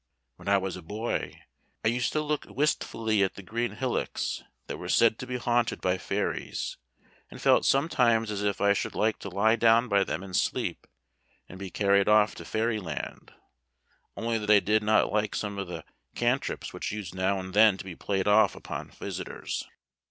When I was a boy, I used to look wistfully at the green hillocks that were said to be haunted by fairies, and felt sometimes as if I should like to lie down by them and sleep, and be carried off to Fairy Land, only that I did not like some of the cantrips which used now and then to be played off upon visitors."